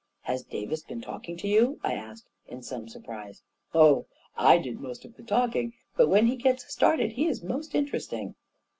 " Has Davis been talking to you f" I asked in some surprise. 44 Oh, I did most of the talking; but when he gets started, he is most interesting."